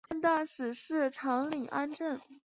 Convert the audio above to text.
现任大使是长岭安政。